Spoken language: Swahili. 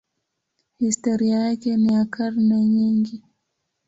Historia yake ni ya karne nyingi.